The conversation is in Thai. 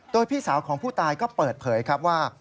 โดยพี่สาวของผู้ตายก็เปิดเผยครับว่า